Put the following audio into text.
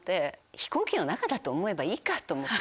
飛行機の中だと思えばいいかと思って。